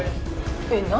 えっ何？